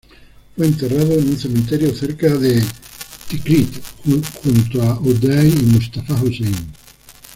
Fue enterrado en un cementerio cerca de Tikrit junto a Uday y Mustapha Hussein.